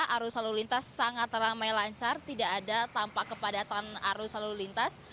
arus lalu lintas sangat ramai lancar tidak ada tampak kepadatan arus lalu lintas